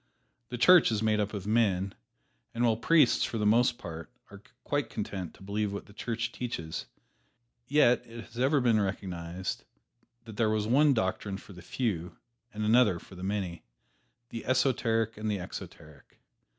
The Church is made up of men, and while priests for the most part are quite content to believe what the Church teaches, yet it has ever been recognized that there was one doctrine for the Few, and another for the Many the esoteric and the exoteric.